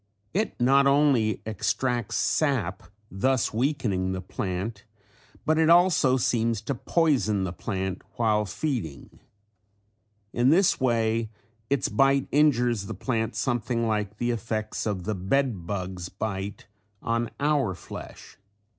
It not only extracts sap thus weakening the plant but it also seems to poison the plant while feeding. In this way its bite injures the plant something like the effects of the bed bug's bite on our flesh.